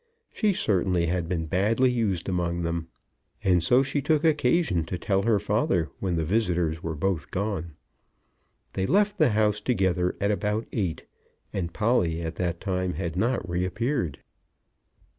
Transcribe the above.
She certainly had been badly used among them; and so she took occasion to tell her father when the visitors were both gone. They left the house together at about eight, and Polly at that time had not reappeared.